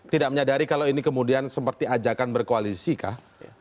tidak menyadari kalau ini kemudian seperti ajakan berkoalisi kah